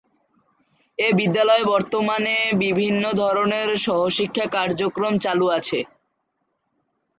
এ বিদ্যালয়ে বর্তমানে বিভিন্ন ধরনের সহ-শিক্ষা কার্যক্রম চালু আছে।